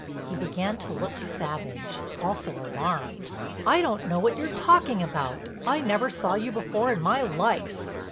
He began to look savage, also alarmed: "I don't know what you're talking about. I never saw you before in my life."